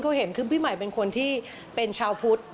เขาเห็นคือพี่ใหม่เป็นคนที่เป็นชาวพุทธ